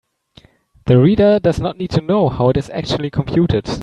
The reader does not need to know how it is actually computed.